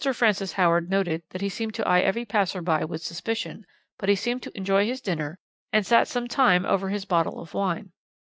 Francis Howard noted that he seemed to eye every passer by with suspicion, but he seemed to enjoy his dinner, and sat some time over his bottle of wine.